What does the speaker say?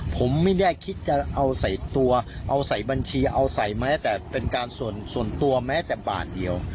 ผมไม่ได้คิดจะเอาใส่ตัวเอาใส่บัญชีเอาใส่แม้แต่เป็นการส่วนตัวแม้แต่บาทเดียว